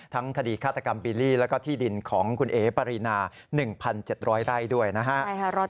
คดีฆาตกรรมบิลลี่แล้วก็ที่ดินของคุณเอ๋ปรินา๑๗๐๐ไร่ด้วยนะฮะ